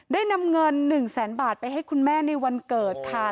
ได้นำเงิน๑แสนบาทไปให้คุณแม่ในวันเกิดค่ะ